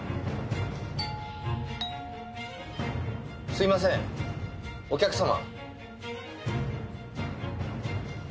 すいませんお客様。